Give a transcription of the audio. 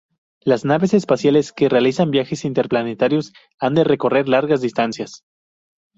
Las naves espaciales que realizan viajes interplanetarios han de recorrer largas distancias.